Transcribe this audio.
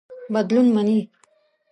بدلون مني.